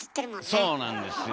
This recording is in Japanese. そうなんですよ。